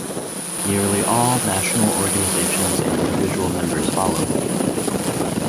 Nearly all national organizations and individual members followed.